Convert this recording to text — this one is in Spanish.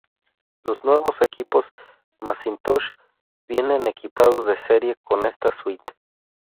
Los nuevos equipos Macintosh vienen equipados de serie con esta suite.